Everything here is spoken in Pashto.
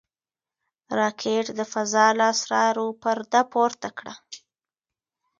راکټ د فضا له اسرارو پرده پورته کړه